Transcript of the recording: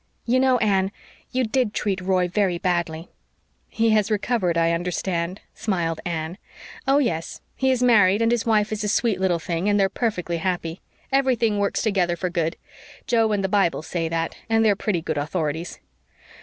You know, Anne, you did treat Roy very badly." "He has recovered, I understand," smiled Anne. "Oh, yes. He is married and his wife is a sweet little thing and they're perfectly happy. Everything works together for good. Jo and the Bible say that, and they are pretty good authorities."